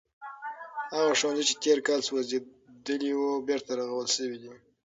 هغه ښوونځی چې تیر کال سوځېدلی و بېرته رغول شوی دی.